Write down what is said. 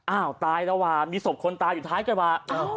อ้าวตายแล้วว่ะมีศพคนตายอยู่ท้ายกระบะ